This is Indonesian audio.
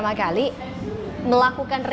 apa ini outletnya